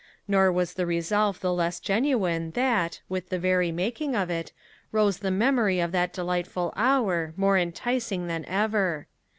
Nor was the resolve the less genuine that, with the very making of it, rose the memory of that delightful hour more enticing than ever.